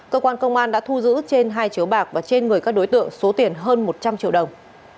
cơ quan công an đã thu giữ trên hai chiếu bạc và trên người các đối tượng số tiền hơn một trăm linh triệu đồng